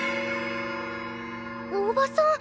おばさん